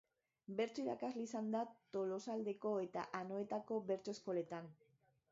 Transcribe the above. Bertso-irakasle izan da Tolosaldeko eta Anoetako bertso-eskoletan.